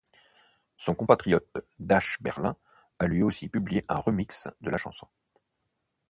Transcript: Son compatriote Dash Berlin a lui aussi publié un remix de la chanson.